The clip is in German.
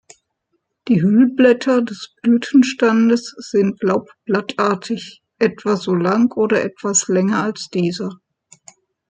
Die Hüllblätter des Blütenstandes sind laubblattartig, etwa so lang oder etwas länger als dieser.